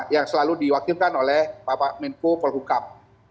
yang selalu diwakilkan oleh pak minco polhukam